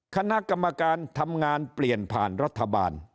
คณะกรรมการทำงานเปลี่ยนผ่านรัฐบาล